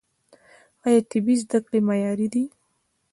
آیا طبي زده کړې معیاري دي؟